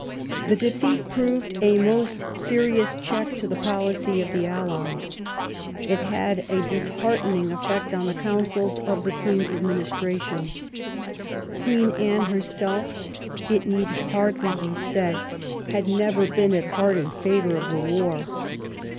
The defeat proved a most serious check to the policy of the allies. It had a disheartening effect on the counsels of the Queen's administration. Queen Anne herself, it need hardly be said, had never been at heart in favor of the war.